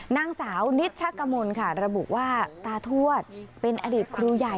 นางสาวนิชกมลค่ะระบุว่าตาทวดเป็นอดีตครูใหญ่